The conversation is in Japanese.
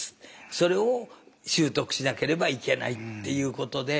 それを習得しなければいけないっていうことで。